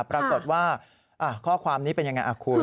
ปรากฏว่าข้อความนี้เป็นยังไงคุณ